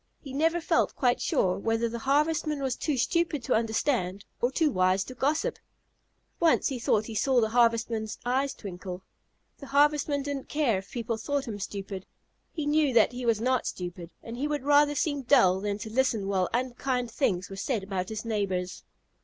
He never felt quite sure whether the Harvestman was too stupid to understand or too wise to gossip. Once he thought he saw the Harvestman's eyes twinkle. The Harvestman didn't care if people thought him stupid. He knew that he was not stupid, and he would rather seem dull than to listen while unkind things were said about his neighbors.